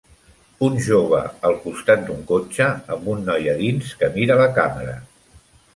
Un jove al costat d'un cotxe amb un noi a dins que mira la càmera.